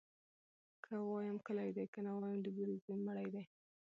ـ که وايم کلى دى ، که نه وايم د بورې زوى مړى دى.